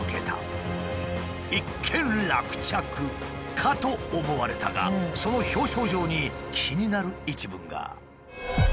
一件落着かと思われたがその表彰状に気になる一文が。